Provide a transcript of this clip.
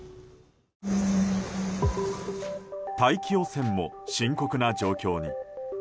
大気汚染も深刻な状況に。